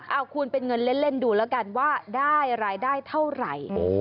เอาคูณเป็นเงินเล่นดูแล้วกันว่าได้รายได้เท่าไหร่